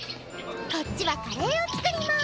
こっちはカレーを作ります。